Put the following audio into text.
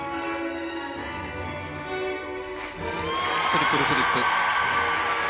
トリプルフリップ。